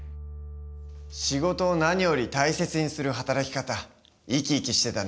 仕事を何より大切にする働き方生き生きしてたね。